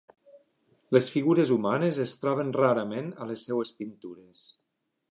Les figures humanes es troben rarament en les seves pintures.